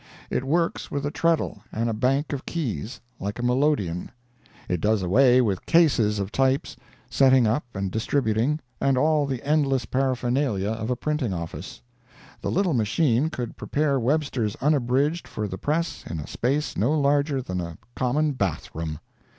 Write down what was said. It works with a treadle and a bank of keys, like a melodeon. It does away with cases of types, setting up and distributing, and all the endless paraphernalia of a printing office. The little machine could prepare Webster's Unabridged for the press in a space no larger than a common bath room.